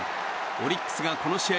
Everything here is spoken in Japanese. オリックスがこの試合